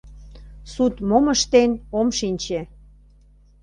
Суд мом ыштен — ом шинче.